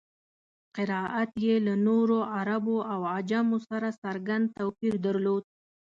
قرائت یې له نورو عربو او عجمو سره څرګند توپیر درلود.